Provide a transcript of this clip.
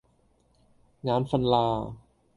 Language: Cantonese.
眼訓喇